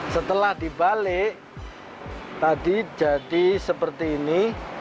setelah dibalik tadi jadi seperti ini